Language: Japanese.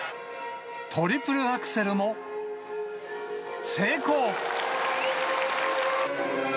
トリプルアクセルも成功。